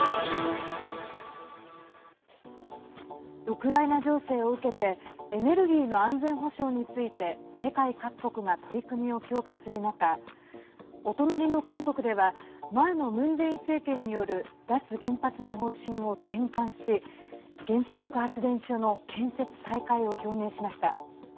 ウクライナ情勢を受けてエネルギーの安全保障について世界各国が取り組みを強化する中お隣の韓国では前のムン・ジェイン政権による脱原発の方針を転換し、原子力発電所の建設再開を表明しました。